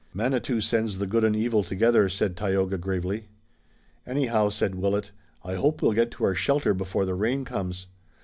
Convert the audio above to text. "Manitou sends the good and evil together," said Tayoga gravely. "Anyhow," said Willet, "I hope we'll get to our shelter before the rain comes.